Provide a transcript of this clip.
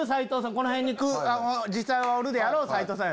この辺に実際はおるであろう斎藤さんやろ？